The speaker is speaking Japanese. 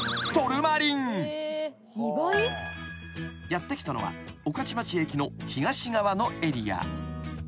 ［やって来たのは御徒町駅の東側のエリア］